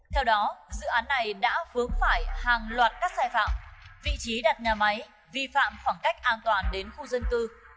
theo đó dự án này đã vướng phải hàng loạt các sai phạm vị trí đặt nhà máy vi phạm khoảng cách an toàn đến khu dân cư